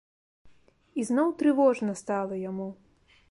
І зноў трывожна стала яму.